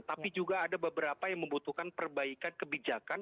tapi juga ada beberapa yang membutuhkan perbaikan kebijakan